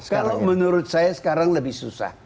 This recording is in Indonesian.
kalau menurut saya sekarang lebih susah